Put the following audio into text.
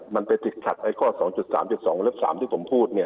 มันไปติดขัดไอ้ข้อ๒๓๒เล็บ๓ที่ผมพูดเนี่ย